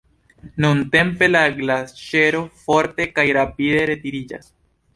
Nuntempe la glaĉero forte kaj rapide retiriĝas.